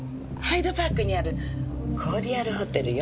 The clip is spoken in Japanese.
ハイドパークにあるコーディアルホテルよ。